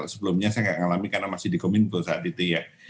sebelumnya saya nggak ngalami karena masih di kominfo saat itu ya